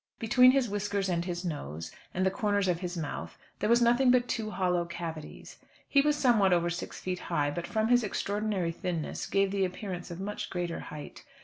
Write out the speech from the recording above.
Between his whiskers and his nose, and the corners of his mouth, there was nothing but two hollow cavities. He was somewhat over six feet high, but from his extraordinary thinness gave the appearance of much greater height.